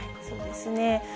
そうですね。